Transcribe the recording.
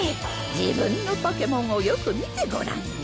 自分のポケモンをよく見てごらんよ。